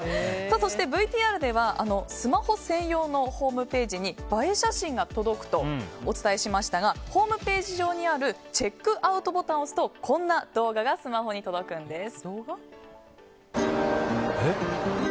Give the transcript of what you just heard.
そしてＶＴＲではスマホ専用のホームページに映え写真が届くとお伝えしましたがホームページ上にあるチェックアウトボタンを押すとこんな動画がスマホに届くんです。